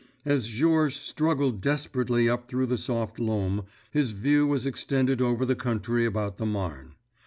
As Georges struggled desperately up through the soft loam, his view was extended over the country about the Marne.